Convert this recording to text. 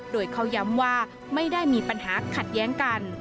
โดยเขาย้ำว่าไม่ได้มีปัญหาขัดแย้งกัน